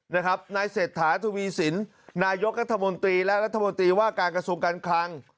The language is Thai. นายเศรษฐาทวีสินนายกรัฐมนตรีและรัฐมนตรีว่าการกระทรวงการคลัง